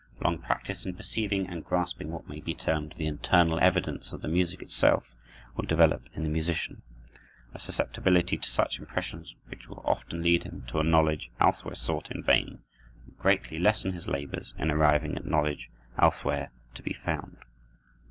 Long practice in perceiving and grasping what may be termed the "internal evidence" of the music itself will develop, in the musician, a susceptibility to such impressions, which will often lead him to a knowledge elsewhere sought in vain, and greatly lessen his labors in arriving at knowledge elsewhere to be found.